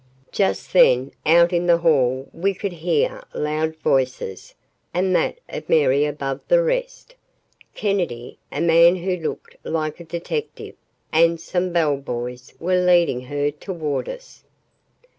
Just then, out in the hall we could hear loud voices, and that of Mary above the rest. Kennedy, a man who looked like a detective, and some bell boys were leading her toward us.